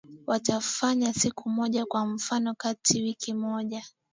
watafanya siku moja kwa mfano katika wiki moja